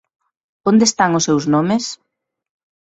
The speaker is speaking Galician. ¿Onde están os seus nomes?